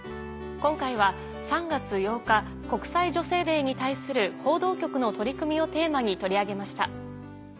今回は３月８日国際女性デーに対する報道局の取り組みをテーマに取り上げました。